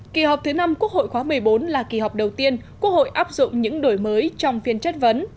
kỳ họp thứ năm quốc hội khóa một mươi bốn là kỳ họp đầu tiên quốc hội áp dụng những đổi mới trong phiên chất vấn